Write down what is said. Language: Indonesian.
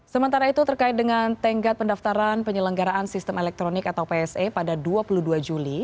sementara itu terkait dengan tenggat pendaftaran penyelenggaraan sistem elektronik atau pse pada dua puluh dua juli